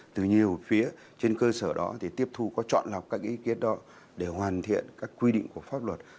từ nhiều phía trên cơ sở đó thì tiếp thu có chọn lọc các ý kiến đó để hoàn thiện các quy định của pháp luật